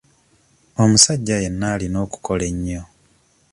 Omusajja yenna alina okukola ennyo.